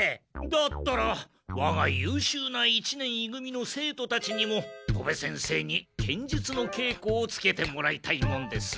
だったらわが優秀な一年い組の生徒たちにも戸部先生に剣術のけいこをつけてもらいたいもんです。